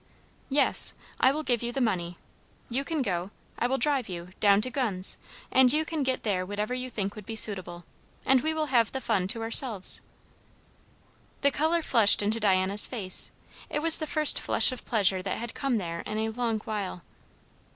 "Yes. I will give you the money; you can go I will drive you down to Gunn's, and you can get there whatever you think would be suitable, and we will have the fun to ourselves." The colour flushed into Diana's face; it was the first flush of pleasure that had come there in a long while.